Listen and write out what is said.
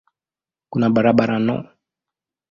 Kuna barabara no.